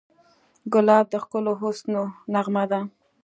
ګلاب د ښکلو حسونو نغمه ده.